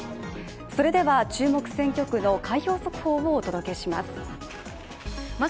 それでは注目選挙区の開票速報をお届けします。